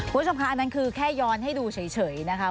คุณผู้ชมค่ะอันนั้นคือแค่ย้อนให้ดูเฉยนะคะ